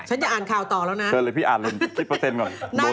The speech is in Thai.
ฉันจะอ่านข่าวต่อแล้วนะเดินเลยพี่อ่านเลยคิดเปอร์เซ็นต์ก่อน